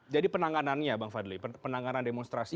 jadi penanganannya bang fadli penanganan demonstrasi